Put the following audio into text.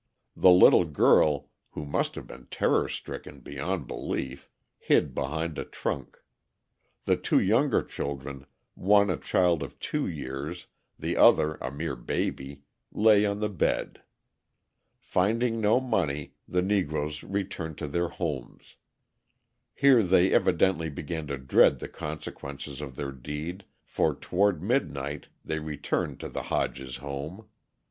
The little girl, who must have been terror stricken beyond belief, hid behind a trunk; the two younger children, one a child of two years, the other a mere baby, lay on the bed. Finding no money, the Negroes returned to their homes. Here they evidently began to dread the consequences of their deed, for toward midnight they returned to the Hodges home.